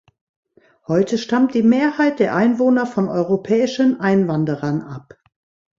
Heute stammt die Mehrheit der Einwohner von europäischen Einwanderern ab.